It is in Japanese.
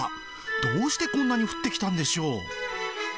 どうしてこんなに降ってきたんでしょう。